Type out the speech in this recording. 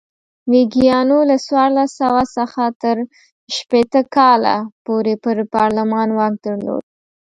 ویګیانو له څوارلس سوه څخه تر شپېته کاله پورې پر پارلمان واک درلود.